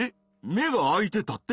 目があいてたって？